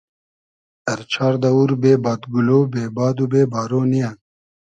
ار چار دئوور بې بادگولۉ ، بې باد و بې بارۉ نییۂ